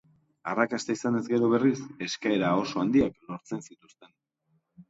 Arrakasta izanez gero, berriz, eskaera oso handiak lortzen zituzten.